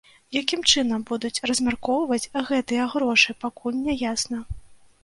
Якім чынам будуць размяркоўваць гэтыя грошы, пакуль не ясна.